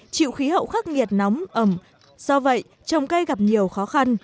chịu khí hậu khắc nghiệt nóng ẩm do vậy trồng cây gặp nhiều khó khăn